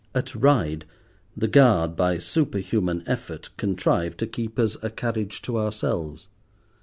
At Ryde the guard, by superhuman effort, contrived to keep us a carriage to ourselves.